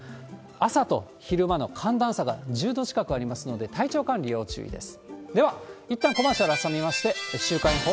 朝と昼間の寒暖差が１０度近くありますので、では、週間予報です。